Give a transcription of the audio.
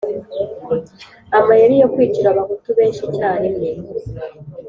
amayeri yo kwicira abahutu benshi icyarimwe